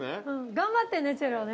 頑張ってねチェロね。